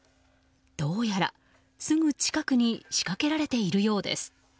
どうやら、すぐ近くに仕掛けられているようです。